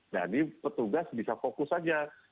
nah ini petugas bisa fokus saja